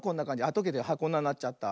とけてこんななっちゃった。